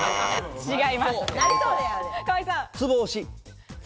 違います。